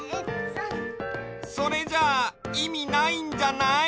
それじゃいみないんじゃない？